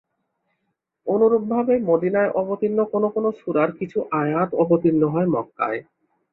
অনুরূপভাবে মদিনায় অবতীর্ণ কোনো কোনো সূরার কিছু আয়াত অবতীর্ণ হয় মক্কায়।